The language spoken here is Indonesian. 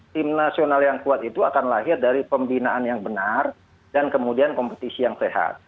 tim nasional yang kuat itu akan lahir dari pembinaan yang benar dan kemudian kompetisi yang sehat